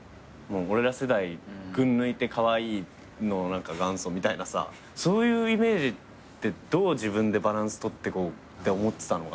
俺ら世代群抜いてカワイイのを何か元祖みたいなさそういうイメージってどう自分でバランス取ってこうって思ってたのかな？